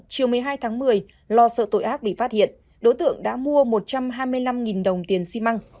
chiều một mươi hai tháng một mươi lo sợ tội ác bị phát hiện đối tượng đã mua một trăm hai mươi năm đồng tiền xi măng